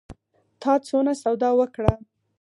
تا څونه سودا وکړه؟